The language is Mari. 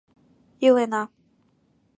Илена.